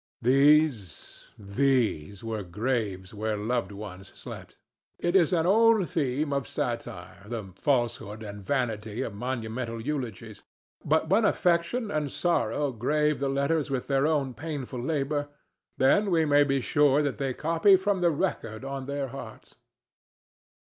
These, these were graves where loved ones slept. It is an old theme of satire, the falsehood and vanity of monumental eulogies; but when affection and sorrow grave the letters with their own painful labor, then we may be sure that they copy from the record on their hearts.